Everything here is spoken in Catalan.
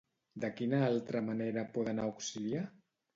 De quina altra manera poden auxiliar?